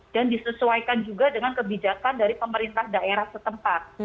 dan disesuaikan juga dengan kebijakan dari pemerintah daerah setempat